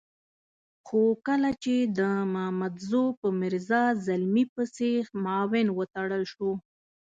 خو کله چې د مامدزو په میرزا زلمي پسې معاون وتړل شو.